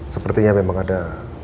sepertinya memang ada